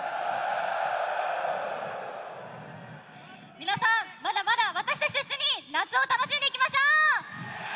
皆さん、まだまだ私たちと一緒に夏を楽しんでいきましょう！